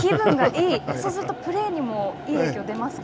そうすると、プレーにもいい影響が出ますか。